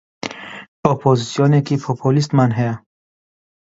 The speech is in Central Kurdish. ئۆپۆزسیۆنێکی پۆپۆلیستمان هەیە